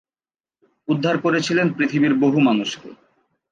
উদ্ধার করেছিলেন পৃথিবীর বহু মানুষকে।